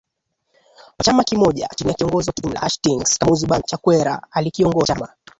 wa chama kimoja chini ya kiongozi wa kiimla Hastings Kamuzu BandaChakwera alikiongoza chama